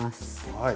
はい。